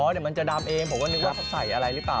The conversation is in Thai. เดี๋ยวมันจะดำเองผมก็นึกว่าเขาใส่อะไรหรือเปล่า